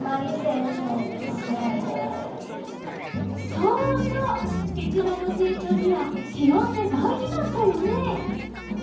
そうそうヘチマの成長には気温って大事だったよね。